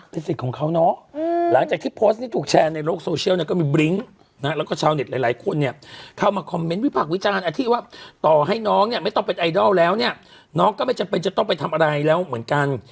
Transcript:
เป็นสิทธิ์ของเขาเนาะหลังจากที่โพสต์นี้ถูกแชร์ในโลกโซเชียลเนี่ยก็มีบลิ้งนะแล้วก็ชาวเน็ตหลายคนเนี่ยเข้ามาคอมเมนต์วิพากษ์วิจารณ์ที่ว่าต่อให้น้องเนี่ยไม่ต้องเป็นไอดอลแล้วเนี่ยน้องก็ไม่จำเป็นจะต้องไปทำอะไรแล้วเหมือนกัน